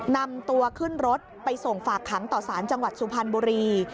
นำตัวขึ้นรถไปส่งฝากขังต่อสารจังหวัดสุพรรณบุรี